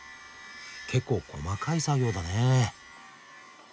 結構細かい作業だね。